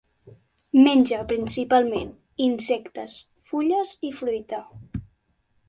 Menja principalment insectes, fulles i fruita.